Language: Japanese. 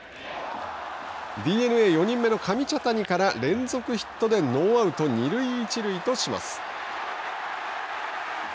ＤｅＮＡ４人目の上茶谷から連続ヒットでノーアウト、二塁一塁とします。